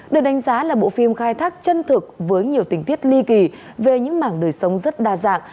được đánh giá là bộ phim khai thác chân thực với nhiều tình tiết ly kỳ về những mảng đời sống rất đa dạng